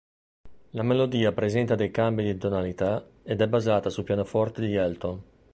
La melodia presenta dei cambi di tonalità ed è basata sul pianoforte di Elton.